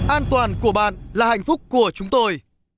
an toàn của bạn là hạnh phúc của chúng tôi